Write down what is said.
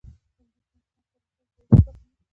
په انګلستان کې هم په څوارلسمه پیړۍ کې پاڅون وشو.